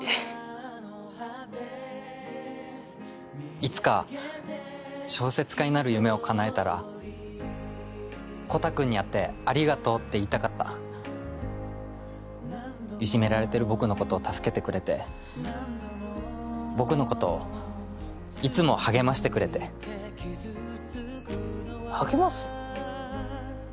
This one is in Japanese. いつか小説家になる夢をかなえたらコタくんに会ってありがとうって言いたかったイジメられてる僕のことを助けてくれて僕のことをいつも励ましてくれて励ます？